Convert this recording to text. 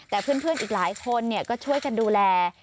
แต่เพื่อนอีกหลายคนก็ช่วยกันดูแล